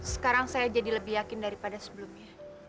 sekarang saya jadi lebih yakin daripada sebelumnya